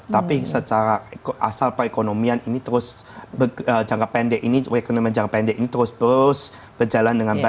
tapi secara asal perekonomian ini terus jangka pendek ini rekonomi jangka pendek ini terus berjalan